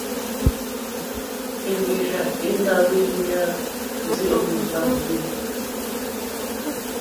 Èmbèrzà èmà ŋwěyá ndí ó mòtà hwòhwê.